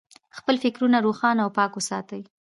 خپل فکرونه روښانه او پاک وساتئ.